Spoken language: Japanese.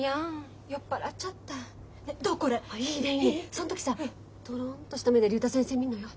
そん時さとろんとした目で竜太先生見んのよ。